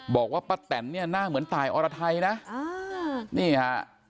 บอกว่าป้าแตนเนี่ยหน้าเหมือนตายอรไทยนะนี่ฮะ